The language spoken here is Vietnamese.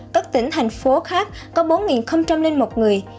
các tỉnh thành phố khác có bốn một người